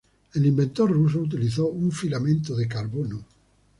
El inventor ruso utilizó un filamento de carbono.